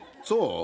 そう？